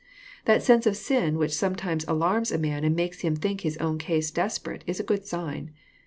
That sense of sin which sometimes alarms a man and makes him think his own case desperate, is a good sign.